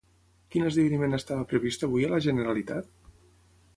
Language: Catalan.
Quin esdeveniment estava previst avui a la Generalitat?